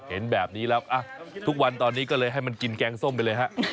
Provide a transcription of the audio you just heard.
เห็นแบบนี้แล้วทุกวันตอนนี้ก็เลยให้มันกินแกงส้มไปเลยฮะ